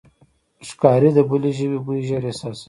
ښکاري د بلې ژوي بوی ژر احساسوي.